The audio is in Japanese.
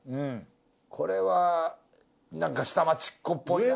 これはなんか下町っ子っぽいな。